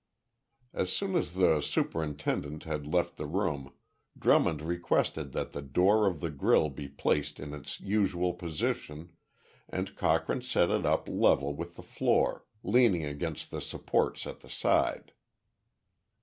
As soon as the superintendent had left the room, Drummond requested that the door of the grille be placed in its usual position, and Cochrane set it up level with the floor, leaning against the supports at the side.